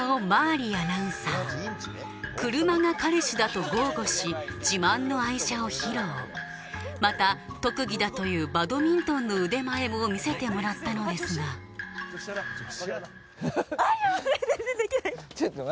理アナウンサー車が彼氏だと豪語し自慢の愛車を披露また特技だというバドミントンの腕前も見せてもらったのですがあっ全然できない